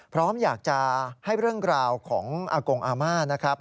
พร้อมอยากจะให้เรื่องราวของอากงอาม่านะครับ